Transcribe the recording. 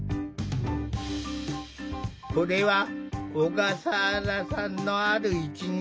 これは小笠原さんのある一日。